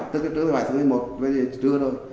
tức là trưa một mươi bảy tháng hai mươi một bây giờ trưa rồi